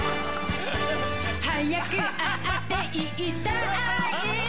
早く逢って言いたい